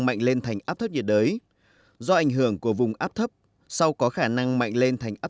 mạnh lên thành áp thấp nhiệt đới do ảnh hưởng của vùng áp thấp sau có khả năng mạnh lên thành áp